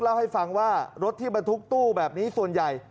เล่าให้ฟังว่ารถที่บรรทุกตู้แบบนี้ส่วนใหญ่